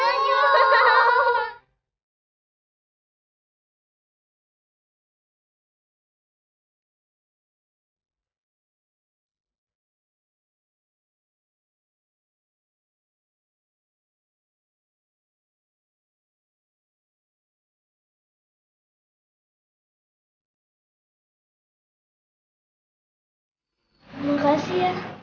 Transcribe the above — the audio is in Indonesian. terima kasih ya